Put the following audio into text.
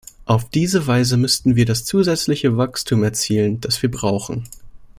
Auf diese Weise müssten wir das zusätzliche Wachstum erzielen, das wir brauchen.